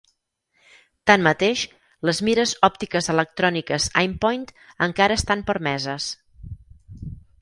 Tanmateix, les mires òptiques electròniques Aimpoint encara estan permeses.